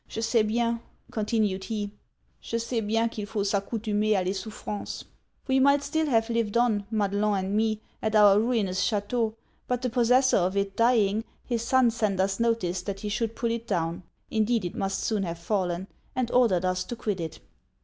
'Je scais bien,' continued he 'je scais bien qu'il faut s'accoutumer a les souffrances! We might still have lived on, Madelon and me, at our ruinous chateau; but the possessor of it dying, his son sent us notice that he should pull it down (indeed it must soon have fallen) and ordered us to quit it.